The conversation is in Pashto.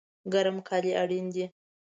ګرم کالی اړین دي